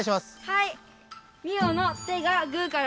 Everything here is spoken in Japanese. はい！